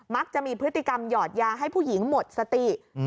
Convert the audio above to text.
จะมีพฤติกรรมหยอดยาให้ผู้หญิงหมดสติ